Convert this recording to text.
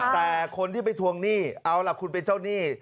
แต่คนที่ไปทวงหนี้เอาล่ะคุณเป็นเจ้าหนี้